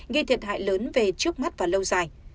gây thiệt hại lớn về trước mắt và lâu dài